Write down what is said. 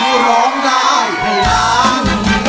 ร้องได้ให้ล้าน